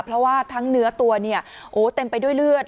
เพราะว่าทั้งเนื้อตัวเนี่ยโอ้เต็มไปด้วยเลือด